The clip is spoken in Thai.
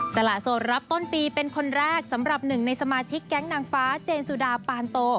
สละโสดรับต้นปีเป็นคนแรกสำหรับหนึ่งในสมาชิกแก๊งนางฟ้าเจนสุดาปานโต